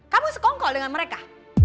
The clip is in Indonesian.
kamu sekongkol dengan mereka